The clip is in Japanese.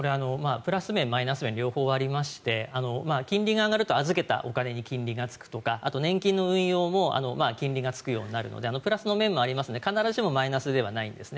プラス面、マイナス面両方ありまして金利が上がると預けたお金に金利がつくとかあと、年金の運用も金利がつくようになるのでプラスの面もあるので必ずしもマイナスではないんですね。